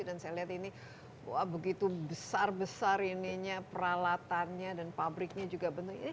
dan saya lihat ini begitu besar besar ininya peralatannya dan pabriknya juga